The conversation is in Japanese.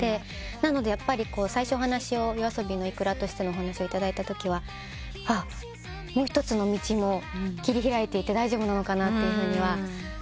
なので最初ＹＯＡＳＯＢＩのｉｋｕｒａとしての話を頂いたときはもう一つの道も切り開いていって大丈夫なのかなとは思って。